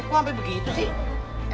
kok sampe begitu sih